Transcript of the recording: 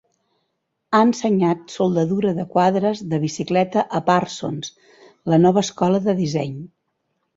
Ha ensenyat soldadura de quadres de bicicleta a Parsons, la Nova Escola de Disseny.